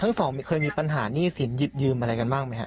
ทั้งสองเคยมีปัญหานี่สินหยิบยืมอะไรกันบ้างมั้ยคะ